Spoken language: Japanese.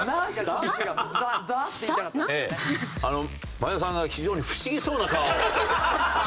前田さんが非常に不思議そうな顔をなさってました。